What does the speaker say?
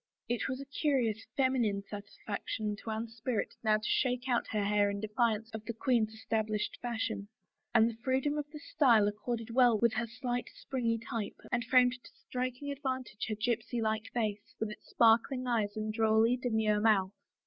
It was a curious feminine satisfaction to Anne's spirit now to shake out her hair in defiance of the queen's established fashion; and the freedom of this style accorded well with her slight, springing type and framed tO striking advantage her gypsy like face, with its sparkling eyes and drolly demure mouth.